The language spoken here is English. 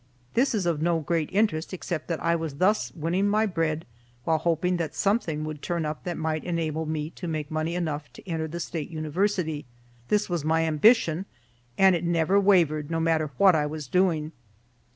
This is of no great interest except that I was thus winning my bread while hoping that something would turn up that might enable me to make money enough to enter the State University. This was my ambition, and it never wavered no matter what I was doing.